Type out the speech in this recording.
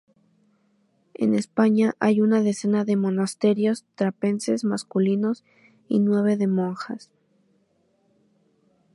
En España hay una decena de monasterios trapenses masculinos y nueve de monjas.